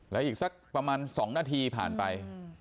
แล้วอีกสักประมาณ๒นาทีผ่านไป